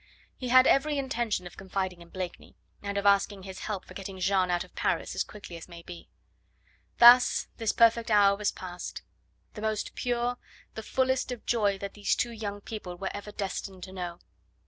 He had every intention of confiding in Blakeney, and of asking his help for getting Jeanne out of Paris as quickly as may be. Thus this perfect hour was past; the most pure, the fullest of joy that these two young people were ever destined to know.